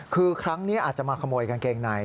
คือครั้งนี้อาจจะมาขโมยกางเกงใน